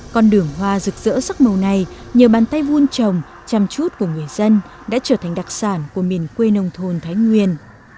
con đường hoa rực rỡ sắc màu này nhờ bàn tay vun trồng chăm chút của người dân đã trở thành đặc sản của miền quê nông thôn thái nguyên